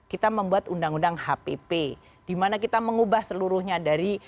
kita membuat undang undang hpp dimana kita mengubah seluruhnya dari